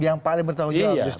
yang paling bertanggung jawab